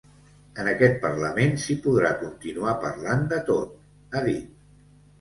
En aquest parlament, s’hi podrà continuar parlant de tot, ha dit.